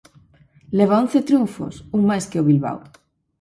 Leva once triunfos, un máis que Bilbao.